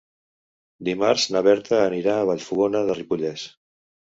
Dimarts na Berta anirà a Vallfogona de Ripollès.